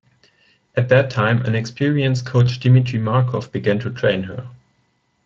At that time an experienced coach Dmitry Markov began to train her.